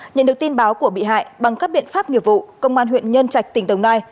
nhận được tin báo của bị hại bằng các biện pháp nghiệp vụ công an huyện nhân trạch tỉnh đồng nai